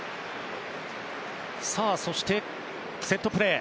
さあ、そしてセットプレー。